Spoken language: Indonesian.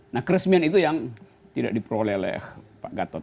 nah keresmian itu yang tidak diperoleh oleh pak gatot